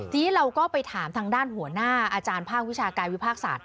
ทีนี้เราก็ไปถามทางด้านหัวหน้าอาจารย์ภาควิชากายวิภาคศาสตร์